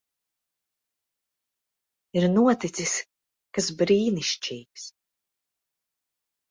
Ir noticis kas brīnišķīgs.